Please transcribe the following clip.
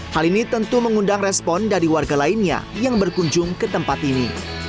hal ini tentu mengundang respon dari warga lainnya yang berkunjung ke tempat ini